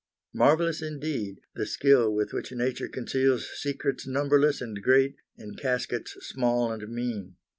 Marvelous, indeed, the skill with which nature conceals secrets numberless and great in caskets small and mean.